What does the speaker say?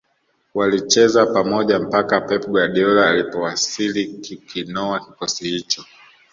Walicheza pamoja mpaka Pep Guardiola alipowasili kukinoa kikosi hicho